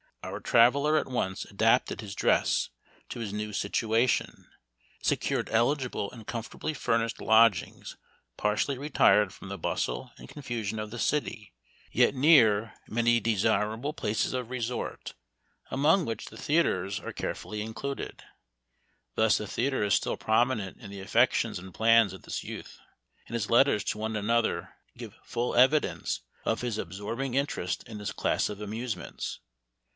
Our traveler at once adapted his dress to his new situation, secured eligible and comfortably furnished lodgings partially retired from the bustle and confusion of the city, yet near many desirable 42 Memoir of Washington Irving places of resort, among which the theaters are carefully included. Thus the theater is still prominent in the affections and plans of this youth, and his letters to one and another give full evidence of his absorbing interest in this class of amusements.